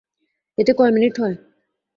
এতে কয় মিনিট হয়?